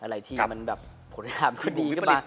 ในหลายทีมันแบบผลอาหารก็ดีกว่า